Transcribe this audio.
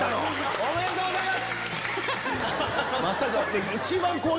ありがとうございます。